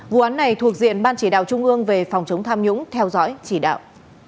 vụ án này thuộc diện ban chỉ đạo trung ương về phòng chống tham nhũng theo dõi chỉ đạo